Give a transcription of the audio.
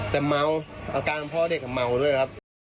แต่เมาอาการพ่อเด็กเมาด้วยครับ